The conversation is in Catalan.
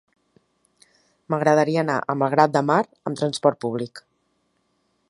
M'agradaria anar a Malgrat de Mar amb trasport públic.